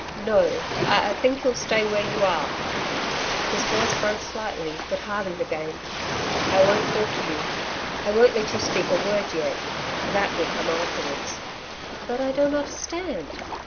'No, I think you'll stay where you are.' His voice broke slightly but hardened again. 'I won't talk to you. I won't let you speak a word yet... that will come afterwards.' 'But I don't understand.'